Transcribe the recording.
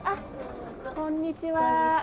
こんにちは。